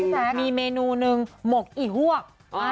จริงมีเมนูหนึ่งหมกอิหวก